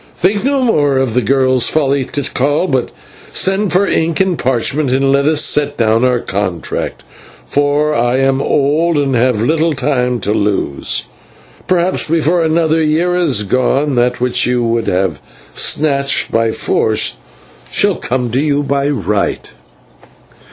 Think no more of the girl's folly, Tikal, but send for ink and parchment and let us set down our contract, for I am old and have little time to lose; and perhaps, before another year is gone, that which you would have snatched by force shall come to you by right."